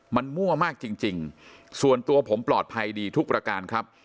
มันมั่วมากจริงส่วนตัวผมปลอดภัยดีทุกประการครับ